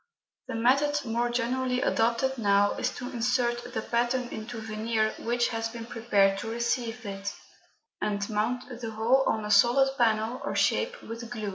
The method more generally adopted now is to insert the pattern into veneer which has been prepared to receive it, and mount the whole on a solid panel or shape with glue.